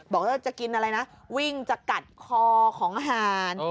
บอกว่าจะกินอะไรนะวิ่งจะกัดคอของอาหาร